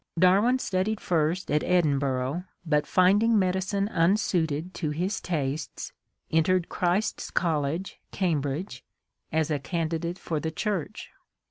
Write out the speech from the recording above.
Darwin studied first at Edinburgh, but finding medicine unsuited to his tastes, entered Christ's College, Cambridge, as a candidate for the church.